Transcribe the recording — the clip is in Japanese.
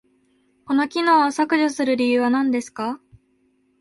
この機能を削除する理由は何ですか？